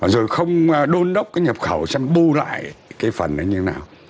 rồi không đôn đốc cái nhập khẩu xem bu lại cái phần đó như thế nào